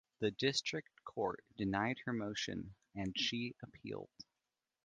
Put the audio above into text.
The district court denied her motion, and she appealed.